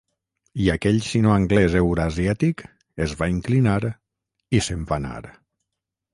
I aquell sinoanglès eurasiàtic es va inclinar i se'n va anar.